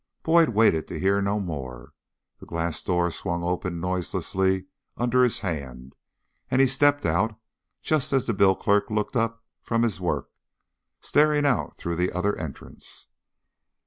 Boyd waited to hear no more. The glass door swung open noiselessly under his hand, and he stepped out just as the bill clerk looked up from his work, staring out through the other entrance.